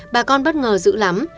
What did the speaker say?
bà con bất ngờ dữ lắm